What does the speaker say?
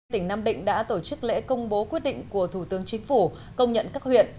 tỉnh nam định đã tổ chức lễ công bố quyết định của thủ tướng chính phủ công nhận các huyện